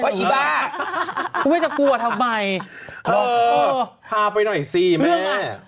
เฮ้ยอีบ้าคุณแม่จะกลัวทำไมเออเออพาไปหน่อยสิแม่เรื่องอ่ะ